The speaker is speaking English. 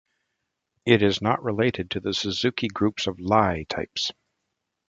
It is not related to the Suzuki groups of Lie type.